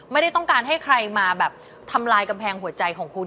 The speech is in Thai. ไม่ได้ต้องการให้ใครมาแบบทำลายกำแพงหัวใจของคุณ